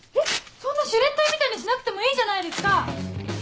そんなシュレッダーみたいにしなくてもいいじゃないですか！